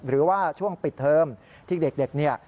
หรือว่าช่วงปิดเทอมที่เด็กเนี่ย